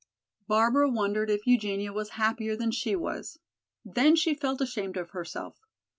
Barbara wondered if Eugenia was happier than she was. Then she felt ashamed of herself.